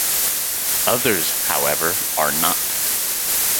Others, however, are not.